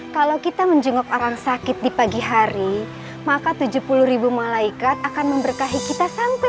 kalau kita menjenguk orang sakit di pagi hari maka tujuh puluh ribu malaikat akan memberkahi kita sampai